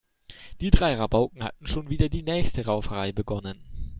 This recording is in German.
Die drei Rabauken hatten schon wieder die nächste Rauferei begonnen.